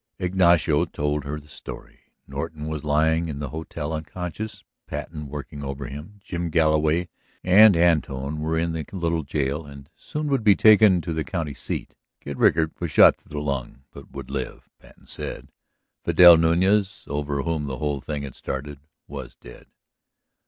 Ignacio told her the story. Norton was lying in the hotel, unconscious, Patten working over him; Jim Galloway and Antone were in the little jail and soon would be taken to the county seat; Kid Rickard was shot through the lung but would live, Patten said; Vidal Nuñez, over whom the whole thing had started, was dead.